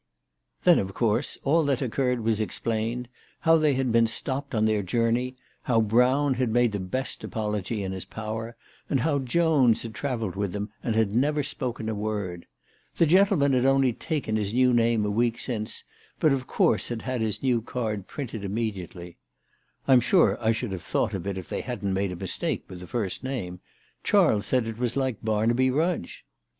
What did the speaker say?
" s 258 CHRISTMAS AT THOMPSON HALL. Then of course all that occurred was explained, how they had been stopped on their journey, how Brown had made the best apology in his power, and how Jones had travelled with them and had never spoken a word. The gentleman had only taken his new name a week since, but of course had had his new card printed immediately. " I'm sure I should have thought of it if they hadn't made a mistake with the first name. Charles said it was like Barnaby Rudge."